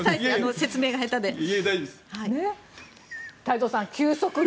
説明が下手で。